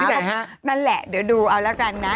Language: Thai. ที่ไหนฮะนั่นแหล่ะเดี๋ยวดูเอาละกันนะ